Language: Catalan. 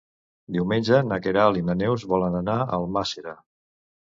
Diumenge na Queralt i na Neus volen anar a Almàssera.